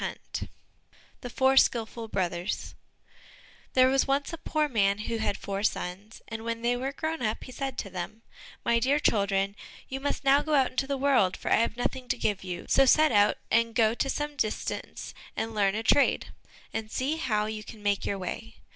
129 The Four Skilful Brothers There was once a poor man who had four sons, and when they were grown up, he said to them, "My dear children, you must now go out into the world, for I have nothing to give you, so set out, and go to some distance and learn a trade, and see how you can make your way."